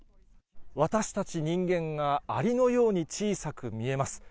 私たち人間がありのように小さく見えます。